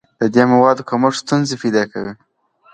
د دې موادو کمښت ستونزې پیدا کوي.